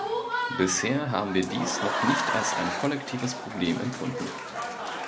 Bisher haben wir dies noch nicht als ein kollektives Problem empfunden.